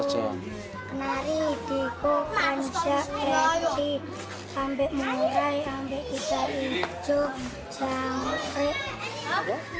kenari tikuk kanjak kreti sampe murai sampe hijau hijau jangkrik